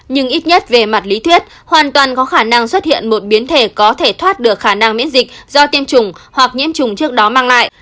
nhưng ít nhất về mặt lý thuyết hoàn toàn có khả năng xuất hiện một biến thể có thể thoát được khả năng miễn dịch do tiêm chủng hoặc nhiễm chủng trước đó mang lại